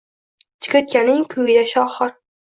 Chigirtkaning kuyi-da sohir